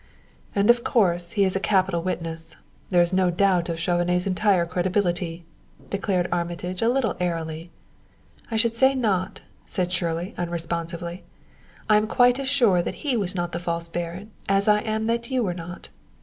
"And of course he is a capital witness. There is no doubt of Chauvenet's entire credibility," declared Armitage, a little airily. "I should say not," said Shirley unresponsively. "I am quite as sure that he was not the false baron as I am that you were not."